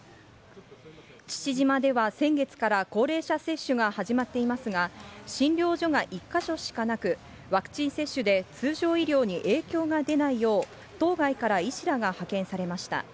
父島では先月から高齢者接種が始まっていますが、診療所が１か所しかなく、ワクチン接種で通常医療に影響が出ないよう、島外から医師らが派遣されました。